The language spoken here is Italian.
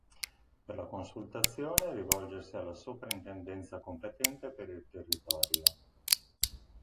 Per la consultazione rivolgersi alla soprintendenza competente per il territorio.